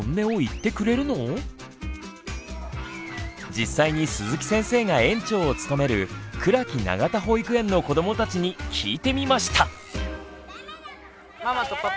実際に鈴木先生が園長を務めるくらき永田保育園の子どもたちに聞いてみました。